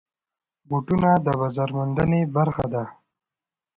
بوټونه د بازار موندنې برخه ده.